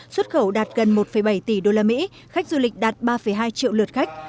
xuất khẩu đạt gần một bảy tỷ usd khách du lịch đạt ba hai triệu lượt khách